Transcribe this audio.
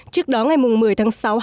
trước đó ngày một mươi tháng sáu